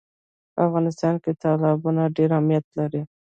په افغانستان کې تالابونه ډېر اهمیت لري.